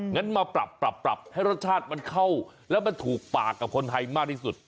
งั้นมาปรับปรับให้รสชาติมันเข้าแล้วมันถูกปากกับคนไทยมากที่สุด